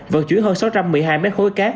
vận chuyển hơn sáu trăm một mươi hai mét khối cát